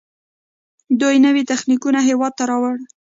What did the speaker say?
دوی نوي تخنیکونه هیواد ته راوړي.